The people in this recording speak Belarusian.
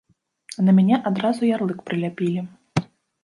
А на мяне адразу ярлык прыляпілі.